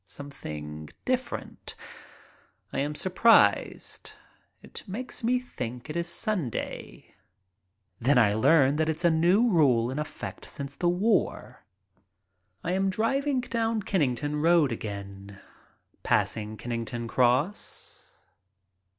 Something different. I am surprised. It makes me think it is Sunday. Then I learn that it is a new rule in effect since the war. 62 MY TRIP ABROAD I am driving down Kennington Road again. Passing Kennington Cross.